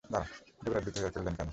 যুবরাজ ভীত হইয়া কহিলেন, কেন?